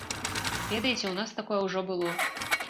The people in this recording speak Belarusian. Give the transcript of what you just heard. Ведаеце, у нас такое ўжо было.